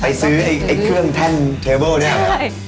ไปซื้อไอ้เครื่องแท่งเคเบิลเนี่ย